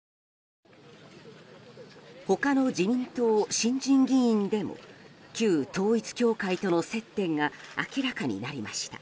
他の自民党新人議員でも旧統一教会との接点が明らかになりました。